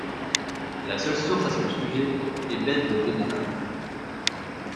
La seule source à son sujet est Bède le Vénérable.